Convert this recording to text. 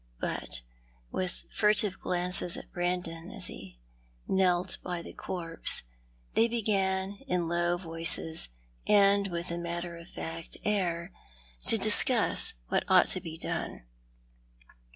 But, with furtive glances at Brandon as he knelt by the corpse, they began in low voices, and with a matter of fact air, to discuss what ought to be done.